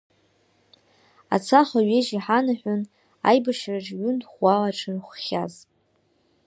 Ацаха ҩежь иҳанаҳәон, аибашьараҿ ҩынтә ӷәӷәала дшырхәхьаз.